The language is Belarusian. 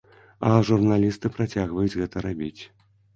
А журналісты працягваюць гэта рабіць.